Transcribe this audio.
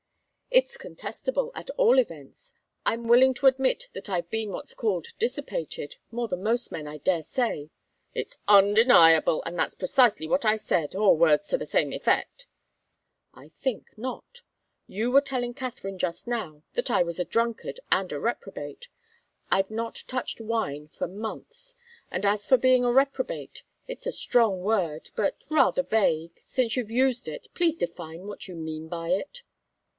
"It's contestable, at all events. I'm willing to admit that I've been what's called dissipated. More than most men, I daresay." "That's undeniable, and that's precisely what I said, or words to the same effect." "I think not. You were telling Katharine just now that I was a drunkard and a reprobate. I've not touched wine for months, and as for being a reprobate it's a strong word, but rather vague. Since you've used it, please define what you mean by it."